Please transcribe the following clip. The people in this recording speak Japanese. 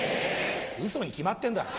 ウソに決まってんだろ。